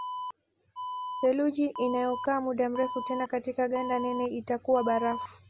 Theluji inayokaa muda mrefu tena katika ganda nene itakuwa barafu